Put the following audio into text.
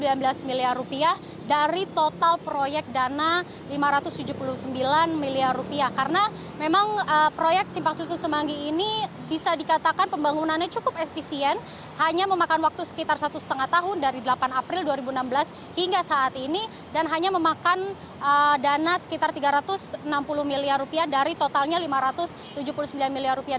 dan juga untuk pandemi itu saya men untungkan dari total proyek dana lima ratus tujuh puluh sembilan miliar rupiah karena memang proyek simpang susun semanggi ini bisa dikatakan pembangunannya cukup efisien hanya memakan waktu sekitar satu setengah tahun dari delapan april dua ribu enam belas hingga saat ini dan hanya memakan dana sekitar tiga ratus enam puluh miliar rupiah dari totalnya lima ratus tujuh puluh sembilan miliar rupiah